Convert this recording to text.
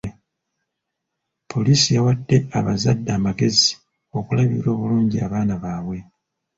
Poliisi yawadde abazadde amagezi okulabirira obulungi abaana baabwe.